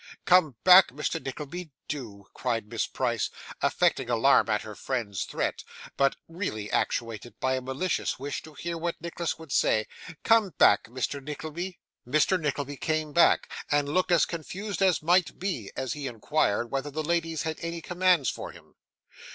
'Come back, Mr. Nickleby, do!' cried Miss Price, affecting alarm at her friend's threat, but really actuated by a malicious wish to hear what Nicholas would say; 'come back, Mr. Nickleby!' Mr. Nickleby came back, and looked as confused as might be, as he inquired whether the ladies had any commands for him.